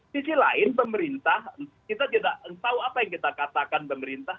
sisi lain pemerintah kita tidak tahu apa yang kita katakan pemerintah